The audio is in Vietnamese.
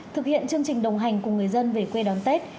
thực hiện chương trình đồng hành cùng người dân về quê đón tết